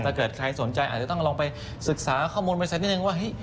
ถ้าเกิดใครสนใจอาจจะต้องลองไปศึกษาข้อมูลไปสักนิดนึงว่า